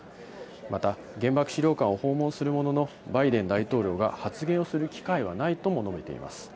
また、原爆資料館を訪問するものの、バイデン大統領が発言をする機会はないとも述べています。